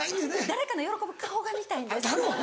誰かの喜ぶ顔が見たいんです。